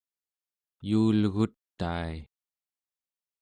yuulgutai